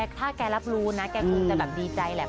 ถ้าแกรับรู้นะแกคงจะแบบดีใจแหละ